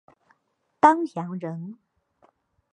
丹阳人。